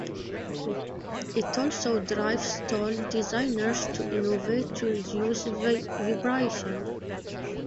It also drives tool designers to innovate to reduce vibration.